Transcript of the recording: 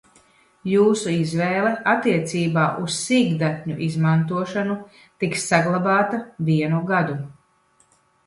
Jūsu izvēle attiecībā uz sīkdatņu izmantošanu tiks saglabāta vienu gadu.